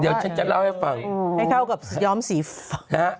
เดี๋ยวจะเล่าให้ฟังนึยเข้ากับย้อมสีฟะ